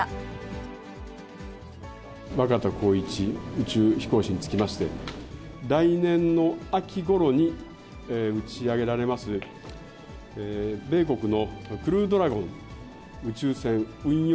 宇宙飛行士につきまして、来年の秋ごろに打ち上げられます、米国のクルードラゴン宇宙船運用